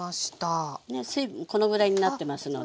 水分このぐらいになってますので。